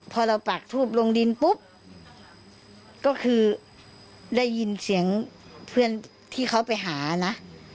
พอเราปากทูบลงดินปุ๊บก็คือได้ยินเสียงเพื่อนที่เขาไปหานะ